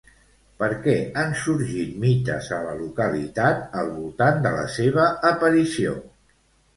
Per què han sorgit mites a la localitat al voltant de la seva aparició?